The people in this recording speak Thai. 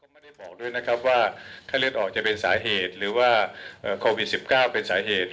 ไม่ได้บอกด้วยนะครับว่าไข้เลือดออกจะเป็นสาเหตุหรือว่าโควิด๑๙เป็นสาเหตุ